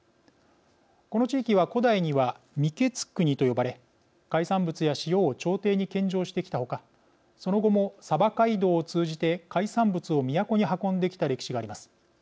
この地域は古代には御食国と呼ばれ海産物や塩を朝廷に献上してきた他その後も、鯖街道を通じて海産物を都に運んできた歴史があります。